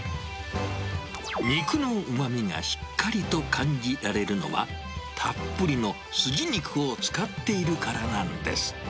肉のうまみがしっかりと感じられるのは、たっぷりのスジ肉を使っているからなんです。